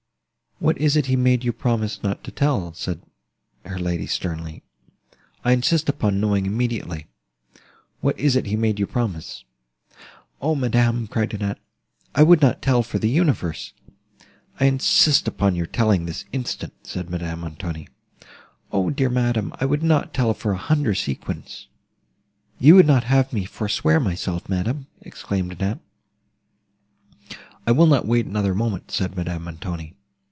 "What is it he made you promise not to tell?" said her lady, sternly. "I insist upon knowing immediately—what is it he made you promise?" "O madam," cried Annette, "I would not tell for the universe!" "I insist upon your telling this instant," said Madame Montoni. "O dear madam! I would not tell for a hundred sequins! You would not have me forswear myself madam!" exclaimed Annette. "I will not wait another moment," said Madame Montoni.